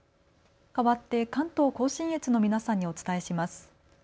かわって関東甲信越の皆さんにお伝えします。